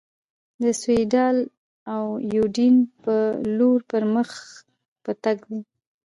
د سیوایډل او یوډین په لور پر مخ په تګ دي.